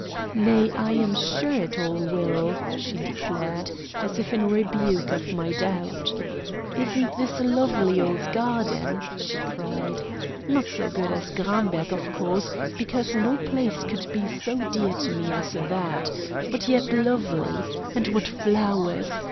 "Nay, I am sure it all will," she declared, as if in rebuke of my doubt. "Isn't this a lovely old garden?" she cried. "Not so good as Gramberg, of course, because no place could be so dear to me as that. But yet lovely. And what flowers!